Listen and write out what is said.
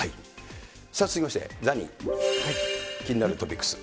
続きまして、ザニー、気になるトピックス。